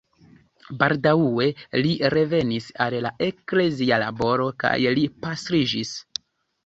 Baldaŭe li revenis al la eklezia laboro kaj li pastriĝis.